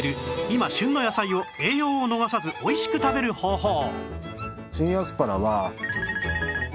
今旬の野菜を栄養を逃さずおいしく食べる方法